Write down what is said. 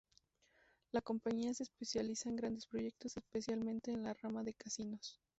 La compañía se especializa en grandes proyectos, especialmente en la rama de casinos.